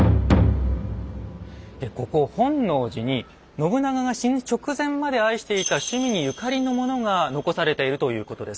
ここ本能寺に信長が死ぬ直前まで愛していた趣味にゆかりのものが残されているということです。